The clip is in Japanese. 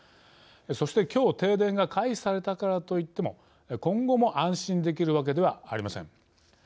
そして、きょう停電が回避されたからといっても今後も安心できるわけではありません。